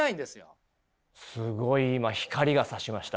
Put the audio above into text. すごい今光がさしました。